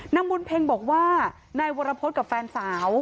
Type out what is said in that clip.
นางบุญเพ็งบอกว่านายวรพฤษกับแฟนสาว